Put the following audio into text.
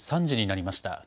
３時になりました。